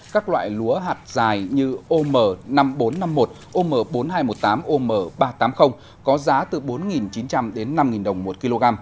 các loại lúa hạt dài như om năm nghìn bốn trăm năm mươi một om bốn nghìn hai trăm một mươi tám om ba trăm tám mươi có giá từ bốn chín trăm linh đến năm đồng một kg